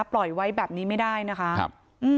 ปล่อยไว้แบบนี้ไม่ได้นะคะครับ